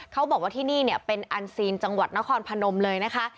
เขาบอกว่าที่นี่เป็นอันซีนจังหวัดนครพนมเลยนะคะ